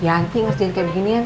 yanti ngus diinke beginian